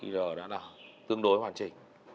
r đã là tương đối hoàn chỉnh